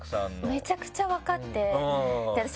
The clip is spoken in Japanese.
めちゃくちゃ分かって。